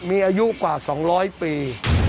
มีอายุกว่า๒๐๐ปี